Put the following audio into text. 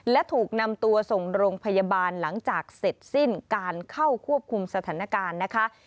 และถูกนำตัวส่งโรงพยาบาลหลังจากเสร็จสิ้นการเข้าควบคุมสถานการณ์นะคะ